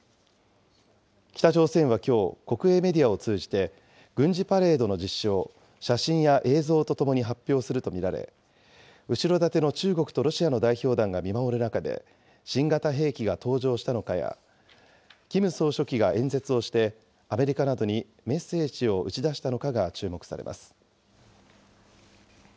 北朝鮮はきょう、国営メディアを通じて、軍事パレードの実施を写真や映像と共に発表すると見られ、後ろ盾の中国とロシアの代表団が見守る中で、新型兵器が登場したのかや、キム総書記が演説をして、アメリカなどにメッセージを打ち出したのかが注目されます。